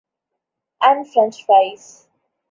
And French fries.